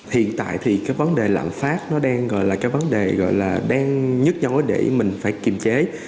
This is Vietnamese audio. hiện tại thì cái vấn đề lạm phát nó đang gọi là cái vấn đề gọi là đang nhức nhối để mình phải kiềm chế